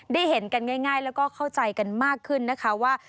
ได้เห็นกันง่ายแล้วก็เข้าใจกันมากขึ้นนะคะว่า